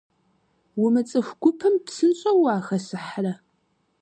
Умыцӏыху гупым псынщӏэу уахэсыхьрэ?